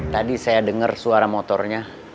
tadi saya dengar suara motornya